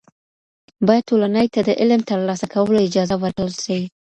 باید ټولني ته د علم تر لاسه کولو اجازه ورکړل سي.